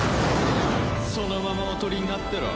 そのまま囮になってろ。